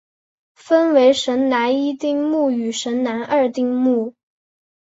分为神南一丁目与神南二丁目。